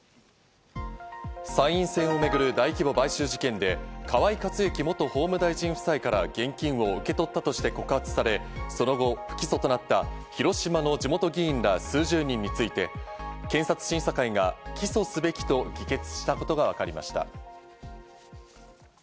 参院選をめぐる大規模買収事件で河井克行元法務大臣夫妻から現金を受け取ったとして告発され、その後、不起訴となった広島の地元議員ら数十人について検察審査会が起訴すべきと議決したことがわかりました。